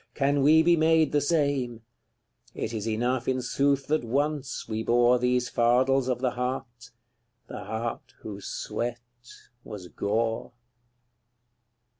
can we be made the same: It is enough, in sooth, that ONCE we bore These fardels of the heart the heart whose sweat was gore.